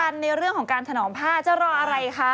ในเรื่องของการถนอมผ้าจะรออะไรคะ